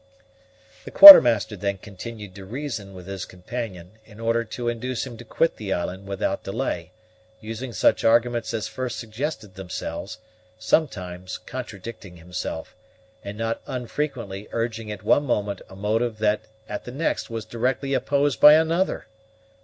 The Quartermaster then continued to reason with his companion, in order to induce him to quit the island without delay, using such arguments as first suggested themselves, sometimes contradicting himself, and not unfrequently urging at one moment a motive that at the next was directly opposed by another.